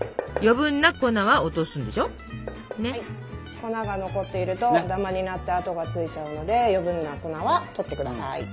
粉が残っているとダマになって跡がついちゃうので余計な粉はとってください。